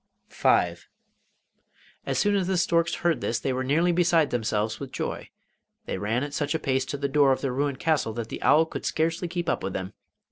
V. As soon as the storks heard this they were nearly beside themselves with joy. They ran at such a pace to the door of the ruined castle that the owl could scarcely keep up with them.